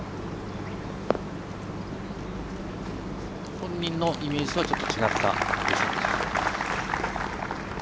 本人のイメージとはちょっと違ったでしょうか。